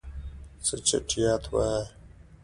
څه چټياټ وايي.